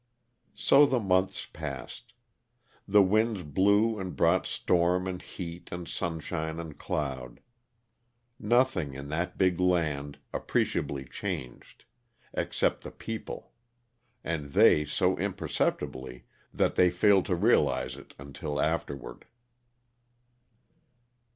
So the months passed. The winds blew and brought storm and heat and sunshine and cloud. Nothing, in that big land, appreciably changed, except the people; and they so imperceptibly that they failed to realize it until afterward.